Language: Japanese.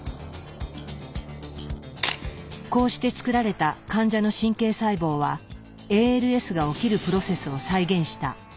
こうして作られた患者の神経細胞はＡＬＳが起きるプロセスを再現した。